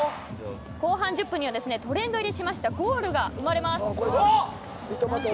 後半１０分にはトレンド入りしたゴールが生まれます。